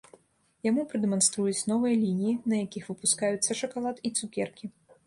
Яму прадэманструюць новыя лініі, на якіх выпускаюцца шакалад і цукеркі.